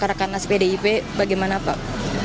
rakan nas pdip bagaimana pak